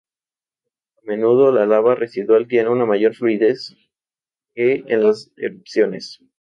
A menudo, la lava residual tiene una mayor fluidez que en las erupciones.